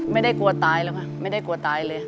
ไม่ได้กลัวตายแล้วค่ะไม่ได้กลัวตายเลย